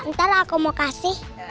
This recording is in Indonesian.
ntar aku mau kasih